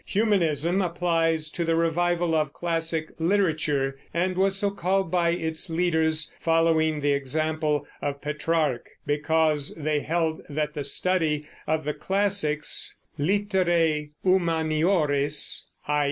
Humanism applies to the revival of classic literature, and was so called by its leaders, following the example of Petrarch, because they held that the study of the classics, literae humaniores, i.